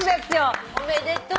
おめでとう。